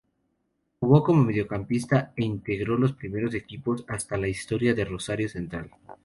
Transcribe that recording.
Jugó como mediocampista e integró los primeros equipos de la historia de Rosario Central.